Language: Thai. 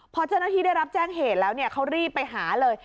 พอเจ้าหน้าที่ได้รับแจ้งเหตุแล้วเขารีบไปหาเลย